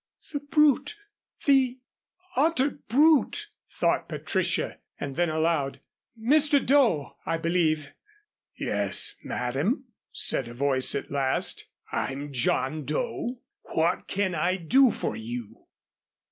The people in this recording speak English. "The brute the utter brute," thought Patricia and then aloud, "Mr. Doe, I believe." "Yes, madam," said a voice at last. "I'm John Doe what can I do for you?"